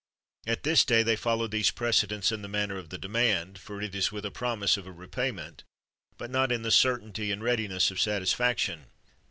At this day they follow these precedents in the manner of the demand (for it is with a promise of a repayment), but not in the certainty and readiness of satisfaction.